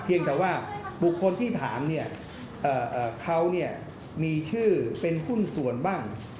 เพียงแต่ว่าบุคคลที่ถามเขามีชื่อเป็นหุ้นส่วนบ้าง